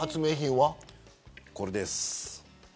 これです。